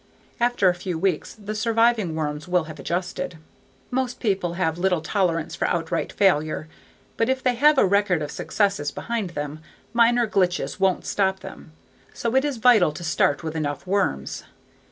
After a few weeks the surviving worms will have adjusted. Most people have little tolerance for outright failure. But if they have a record of successes behind them, minor glitches won't stop them. So it is vital to start with enough worms.